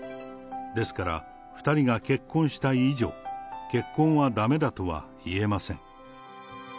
ですから、２人が結婚した以上、結婚はだめだとは言えません。